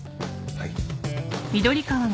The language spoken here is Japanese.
はい。